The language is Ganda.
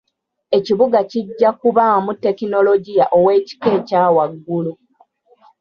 Ekibuga kijja kubaamu tekinologiya ow'ekika ekya waggulu.